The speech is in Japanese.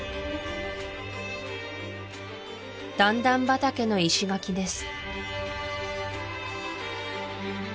段々畑の石垣です